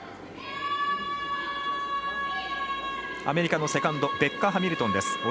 アメリカのセカンドベッカ・ハミルトンです。